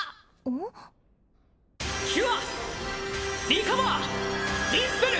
キュアリカバーディスペル！